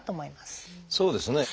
そうですね。